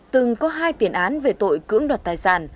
từng có hai tiền án về tội cưỡng đoạt tài sản